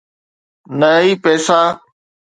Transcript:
نه ئي پئسا.